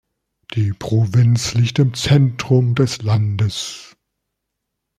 Die Provinz liegt im Zentrum des Landes.